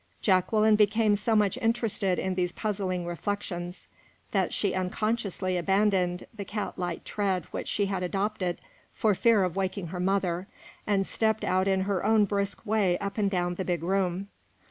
Jacqueline became so much interested in these puzzling reflections that she unconsciously abandoned the cat like tread which she had adopted for fear of waking her mother, and stepped out in her own brisk way up and down the big room.